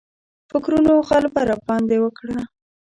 فکرونو غلبه راباندې وکړه.